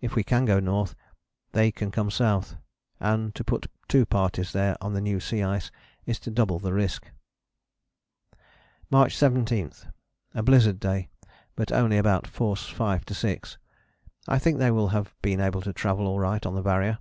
If we can go north, they can come south, and to put two parties there on the new sea ice is to double the risk." "March 17. A blizzard day but only about force 5 6. I think they will have been able to travel all right on the Barrier.